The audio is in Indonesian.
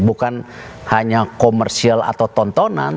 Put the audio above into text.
bukan hanya komersial atau tontonan